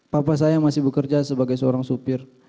papa saya masih bekerja sebagai seorang supir